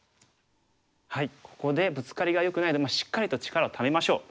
ここでブツカリがよくないのでしっかりと力をためましょう。